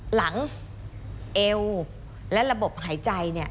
หลังเอวและระบบหายใจ